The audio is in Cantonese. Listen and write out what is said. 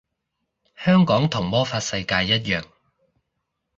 香港同魔法世界一樣